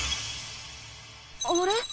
あれ？